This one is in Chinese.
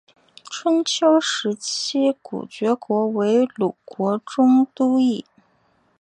春秋时期古厥国为鲁国中都邑。